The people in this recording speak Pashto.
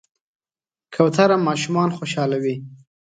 کوتره ماشومان خوشحالوي.